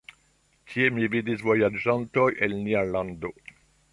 Tie mi vidis vojaĝantoj el nia lando.